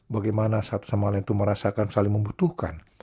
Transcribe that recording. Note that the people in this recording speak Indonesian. bagaimana satu sama lain itu merasakan saling membutuhkan